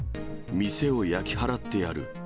店を焼き払ってやる。